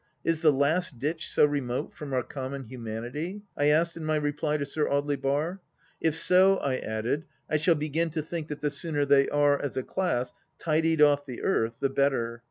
... Is The Last Ditch so remote from our common humanity ? I asked, in my reply to Sir Audley Bar. If so, I added, I shall begin to think that the sooner they are, as a class, tidied off the earth, the better.